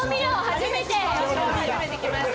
初めてきました